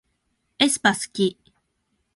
aespa すき